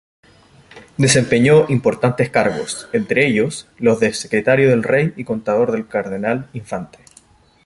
Desempeñó importantes cargos, entre ellos los de secretario del rey y contador del cardenal-infante.